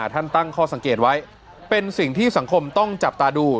ตั้งข้อสังเกตไว้เป็นสิ่งที่สังคมต้องจับตาดู